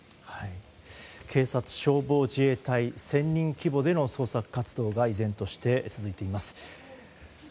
警察・消防・自衛隊１０００人規模での捜索活動が依然として続いています。